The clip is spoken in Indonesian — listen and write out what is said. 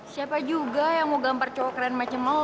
siapa juga yang mau gampar cowok keren macam lo